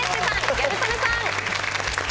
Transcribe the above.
ギャル曽根さん。